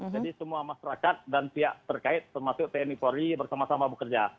jadi semua masyarakat dan pihak terkait termasuk tni polri bersama sama bekerja